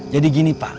jadi gini pak